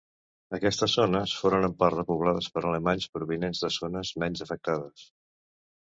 Aquestes zones foren en part repoblades per alemanys provinents de zones menys afectades.